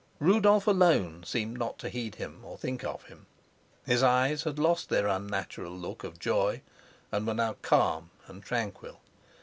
Rudolf alone seemed not to heed him or think of him. His eyes had lost their unnatural look of joy, and were now calm and tranquil.